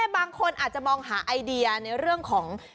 บางคนอาจจะมองหาไอเดียในเรื่องของ